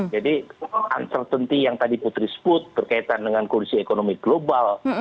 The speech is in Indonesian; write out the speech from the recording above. jadi uncertainty yang tadi putri sebut berkaitan dengan kondisi ekonomi global